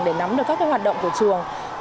để nắm được các hoạt động của trường